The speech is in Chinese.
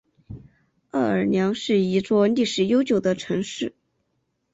奥尔良是一座历史悠久的城市。